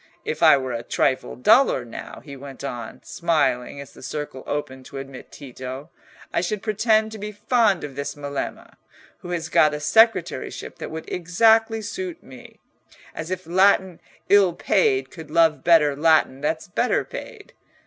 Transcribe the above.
If I were a trifle duller, now," he went on, smiling as the circle opened to admit Tito, "I should pretend to be fond of this Melema, who has got a secretaryship that would exactly suit me—as if Latin ill paid could love better Latin that's better paid!